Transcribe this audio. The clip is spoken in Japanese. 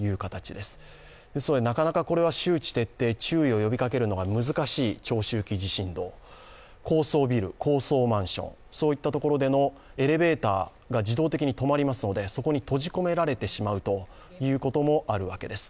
ですのでなかなか周知徹底、注意を呼びかけるのが難しい長周期地震動、高層ビル、高層マンションでのエレベーターが自動的に止まりますので、そこに閉じ込められてしまうということもあるわけです。